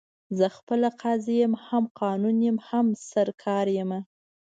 زه خپله قاضي یم، هم قانون یم، هم سرکار یمه